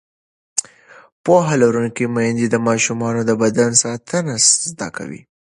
پوهه لرونکې میندې د ماشومانو د بدن ساتنه زده کوي.